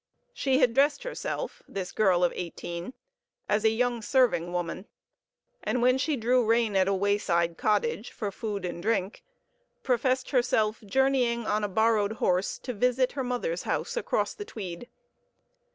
She had dressed herself this girl of eighteen as a young serving woman, and when she drew rein at a wayside cottage for food and drink, professed herself journeying on a borrowed horse to visit her mother's house across the Tweed.